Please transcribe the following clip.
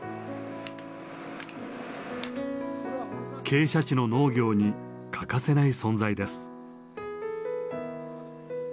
傾斜地の農業に欠かせない存在です。